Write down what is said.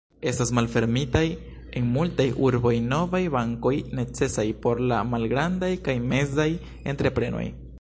Estas malfermitaj en multaj urboj novaj bankoj necesaj por la malgrandaj kaj mezaj entreprenoj.